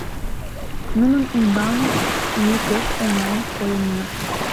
Нунын ӱмбалне ме пеш оҥайын койынна.